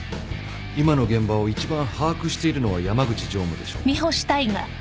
今の現場を一番把握しているのは山口常務でしょう。